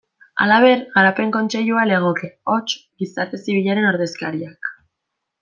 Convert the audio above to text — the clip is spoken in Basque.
Halaber, Garapen Kontseilua legoke, hots, gizarte zibilaren ordezkariak.